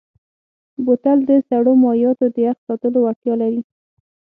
بوتل د سړو مایعاتو د یخ ساتلو وړتیا لري.